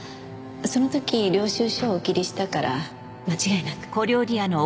その時領収書をお切りしたから間違いなく。